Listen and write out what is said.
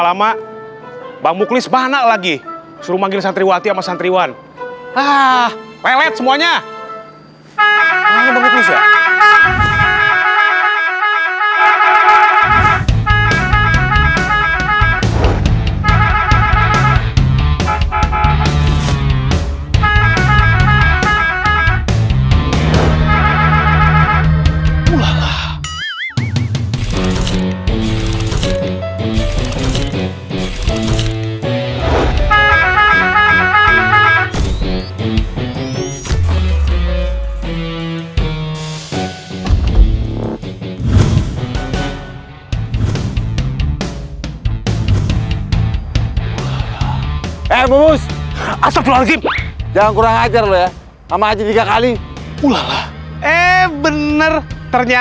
sampai jumpa di video selanjutnya